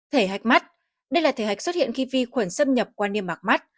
thể hạch mắt đây là thể hạch xuất hiện khi vi khuẩn xâm nhập qua niêm mạc mắt